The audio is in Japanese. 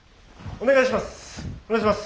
お願いします。